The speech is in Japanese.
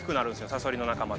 サソリの仲間。